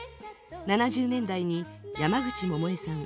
７０年代に山口百恵さん